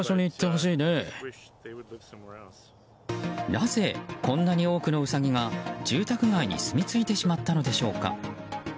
なぜこんなに多くのウサギが住宅街にすみ着いてしまったのでしょうか。